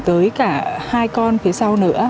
tới cả hai con phía sau nữa